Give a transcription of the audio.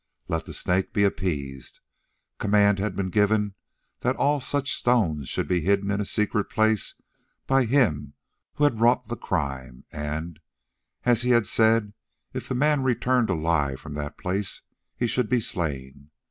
Let the Snake be appeased. Command had been given that all such stones should be hidden in a secret place by him who had wrought the crime, and, as he had said, if the man returned alive from that place he should be slain.